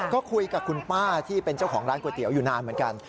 ก็คุยกับคุณป้าที่เป็นเจ้าของร้านก๋วยเตี๋ยวอยู่นานเหมือนกัน